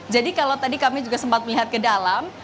jadi kalau tadi kami juga sempat melihat ke dalam